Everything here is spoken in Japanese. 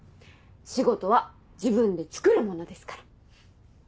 仕事は自分でつくるものですから。